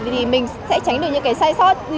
thì mình sẽ tránh được những cái sai sót